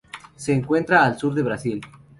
Se encuentra al sur del Brasil.